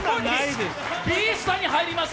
Ｂスタに入りますか？